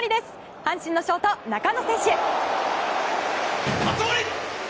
阪神のショート、中野選手。